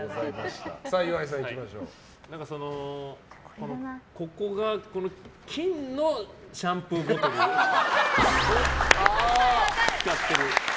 ここの部分が金のシャンプーボトルを使ってる。